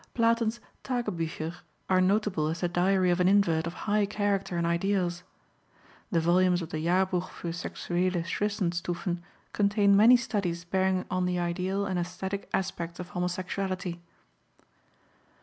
Platen's Tagebücher are notable as the diary of an invert of high character and ideals. The volumes of the Jahrbuch für sexuelle Zwischenstufen contain many studies bearing on the ideal and esthetic aspects of homosexuality.